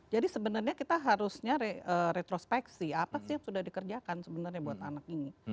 jadi sebenarnya kita harusnya retrospeksi apa sih yang sudah dikerjakan sebenarnya buat anak ini